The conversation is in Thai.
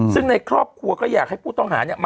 ซึ่งในครอบครัวก็อยากให้ผู้ต้องหาเนี่ย